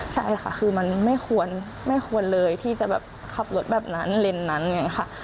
ใช่ค่ะคือมันไม่ควรเลยที่จะแบบขับรถแบบนั้นเลนส์นั้นอย่างนี้ค่ะ